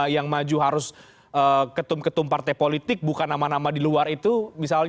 yaitu kepala kb yang dihadirkan